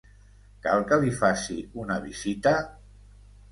Cal que li faci una visita?